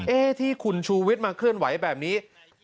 ที่คุณชูวิทย์มาเคลื่อนไหวแบบนี้